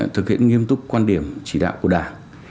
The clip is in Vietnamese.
thực hiện nghiêm túc quan điểm chỉ đạo của đảng